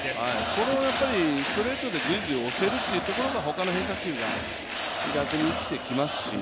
このストレートでぐいぐい押せるところが他の変化球が逆に生きてきますし